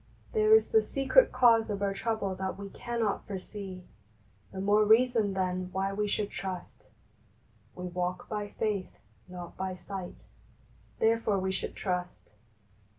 there is the secret cause of our trouble that we cannot foresee ! The more reason then why we should trust. " VVe walk by faith, not by sight, therefore we should trust.